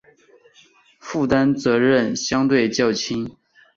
负担责任相对较轻